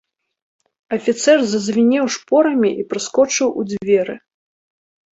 Афіцэр зазвінеў шпорамі і праскочыў у дзверы.